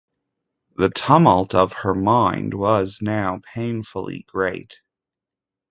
The tumult of her mind, was now painfully great.